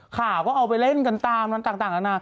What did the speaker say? ข่าวก็เอาไปเล่นกันตามต่างนานา